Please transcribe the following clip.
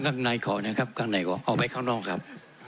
ข้างในขอนะครับข้างในขอเอาไว้ข้างนอกครับ